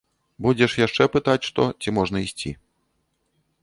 Будзеш яшчэ пытаць што, ці можна ісці?